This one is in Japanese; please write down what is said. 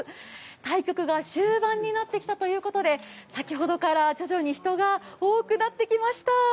対局が終盤になってきたということで先ほどから徐々に人が多くなってきました。